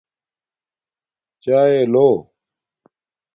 چایے لو